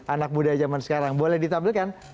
anak muda zaman sekarang boleh ditampilkan